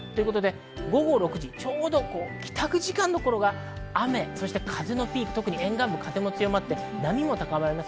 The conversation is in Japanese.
午後６時、ちょうど帰宅時間の頃が雨、風のピーク、特に沿岸部は強まって波も高くなります。